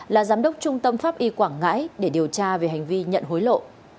là giám đốc trung tâm pháp y quảng ngãi để điều tra về hành vi nhận hối lộ